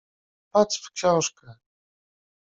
Patrz w książkę.